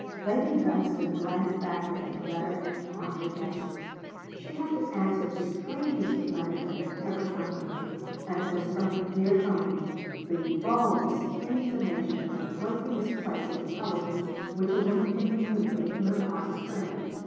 Lady Dunstane glanced backward at the letter on her desk. She had to answer the strangest of letters that had ever come to her, and it was from her dear Tony, the baldest intimation of the weightiest piece of intelligence which a woman can communicate to her heart's friend.